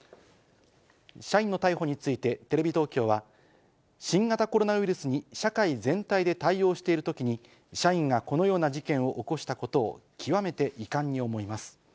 社員の逮捕について、テレビ東京は、新型コロナウイルスに社会全体で対応しているときに、社員がこのような事件を起こしたことを極めて遺憾に思います。